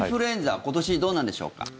今年どうなんでしょうか。